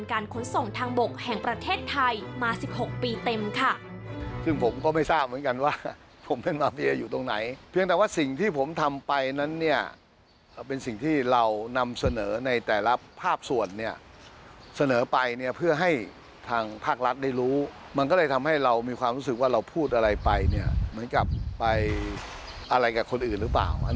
การขนส่งทางบกแห่งประเทศไทยมา๑๖ปีเต็มค่ะ